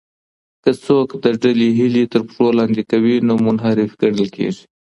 که څوک د ډلې هیلې تر پښو لاندې کړي نو منحرف ګڼل کیږي.